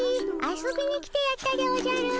遊びに来てやったでおじゃる。